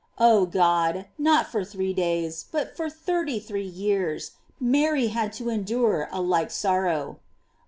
Oh God ! not for three days, but for thirty three years, Mary had to en dure a like sorrow.